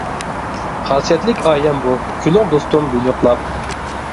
خاسىيەتلىك ئايەم بۇ، كۈلۈڭ دوستۇم ۋىلىقلاپ.